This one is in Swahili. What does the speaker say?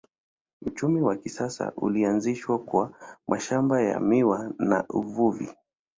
Uchumi wa kisasa ulianzishwa kwa mashamba ya miwa na uvuvi.